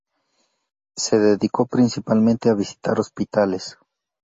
Se dedicó principalmente a visitar hospitales.